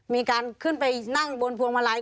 มีการขึ้นไปนั่งบนพวงมาลัย